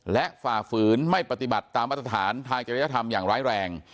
และฝ่าฝืนไม่ปฏิบัติตามมาตรฐานทางจริยธรรมอย่างร้ายแรง